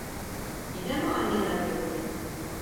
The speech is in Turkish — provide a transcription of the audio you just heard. Yine mi annen arıyor?